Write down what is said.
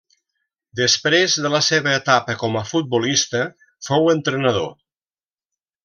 Després de la seva etapa com a futbolista fou entrenador.